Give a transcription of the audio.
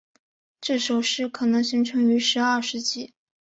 这首诗可能形成于十二世纪。